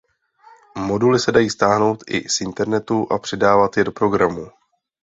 Moduly se dají stáhnout i z internetu a přidávat je do programů.